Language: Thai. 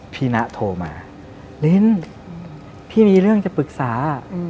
พี่นะโทรมาลิ้นพี่มีเรื่องจะปรึกษา